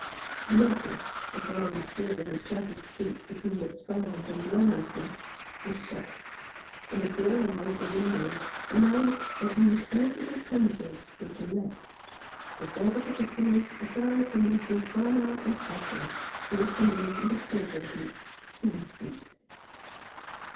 The office — a ground floor in a shabby street between the Strand and Long Acre— was shut, and a bill in one of the windows announced that these eligible premises were to let ; for further particulars apply to Messrs. Barnard and Badger, Auctioneers and Estate Agents, Queen Street.